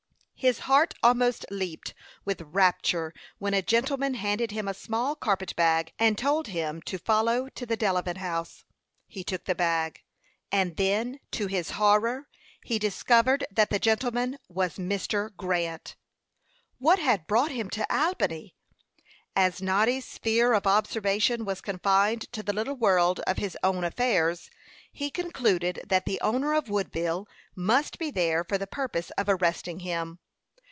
His heart almost leaped with rapture when a gentleman handed him a small carpet bag, and told him to follow to the Delavan House. He took the bag, and then, to his horror, he discovered that the gentleman was Mr. Grant! What had brought him to Albany? As Noddy's sphere of observation was confined to the little world of his own affairs, he concluded that the owner of Woodville must be there for the purpose of arresting him.